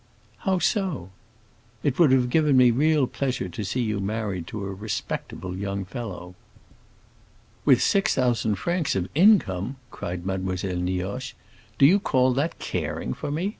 "How so?" "It would have given me real pleasure to see you married to a respectable young fellow." "With six thousand francs of income!" cried Mademoiselle Nioche. "Do you call that caring for me?